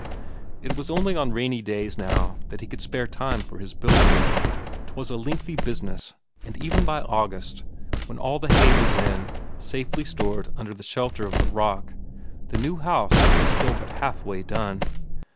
It was only on rainy days now that he could spare time for his building; 'twas a lengthy business, and even by August, when all the hay was in, safely stored under the shelter of the rock, the new house was still but half way done.